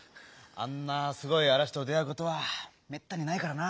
あんなすごいあらしと出あうことはめったにないからな。